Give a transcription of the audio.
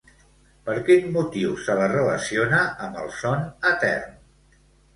Per quin motiu se la relaciona amb el son etern?